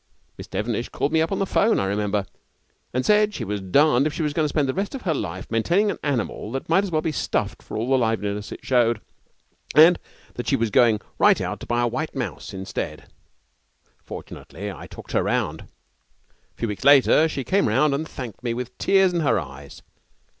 Miss Devenish called me up on the phone, I remember, and said she was darned if she was going to spend the rest of her life maintaining an animal that might as well be stuffed for all the liveliness it showed, and that she was going right out to buy a white mouse instead. Fortunately, I talked her round. 'A few weeks later she came round and thanked me with tears in her eyes.